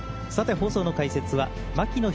放送の解説は牧野裕